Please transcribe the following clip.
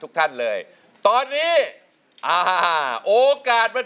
แต่จริงเราไม่อยากให้กลับแบบนั้น